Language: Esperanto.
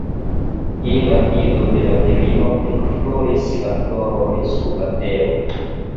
Je la vido de la virino ekfloris la floroj sur la tero